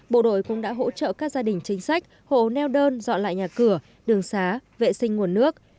bộ đội cũng đã hỗ trợ các gia đình chính sách hồ neo đơn dọn lại nhà cửa đường xá vệ sinh nguồn nước